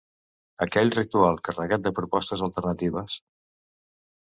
Aquell ritual carregat de propostes alternatives...